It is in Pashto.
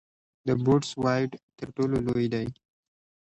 د بوټس وایډ تر ټولو لوی دی.